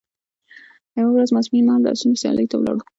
یوه ورځ ماپښین مهال د اسونو سیالیو ته ولاړو.